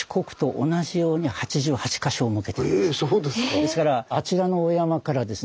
ですからあちらのお山からですね